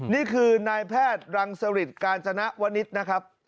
นี่คือนายแพทย์รังสริตกาญจนวนิษฐ์นะครับ